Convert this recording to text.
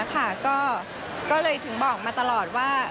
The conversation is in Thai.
ก็เลยถึงบอกมาตลอดว่า